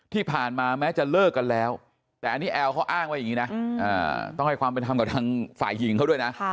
ที่ผ่านมาแม้จะเลิกกันแล้วแต่อันนี้แอลเขาอ้างไว้อย่างนี้นะต้องให้ความเป็นธรรมกับทางฝ่ายหญิงเขาด้วยนะ